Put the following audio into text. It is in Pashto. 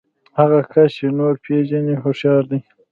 هغه کس چې نور پېژني هوښيار دی.